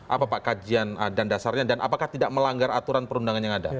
apa pak kajian dan dasarnya dan apakah tidak melanggar aturan perundangan yang ada